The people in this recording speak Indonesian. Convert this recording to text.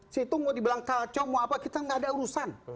situng mau dibilang kacau mau apa kita nggak ada urusan